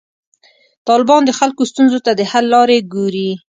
طالبان د خلکو ستونزو ته د حل لارې ګوري.